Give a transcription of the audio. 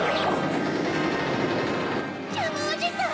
ジャムおじさん！